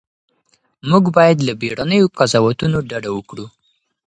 موږ باید له بیړنیو قضاوتونو ډډه وکړو.